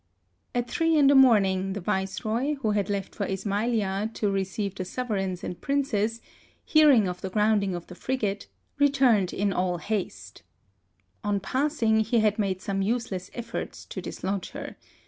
At three in the morning, the Viceroy, who had left for Isma'ilia to receive the sove THE SUEZ CANAL. 85 reigns and princes, hearing of the ground ing of the frigate, returned in all haste. On passing he had made some useless efforts to dislodge her.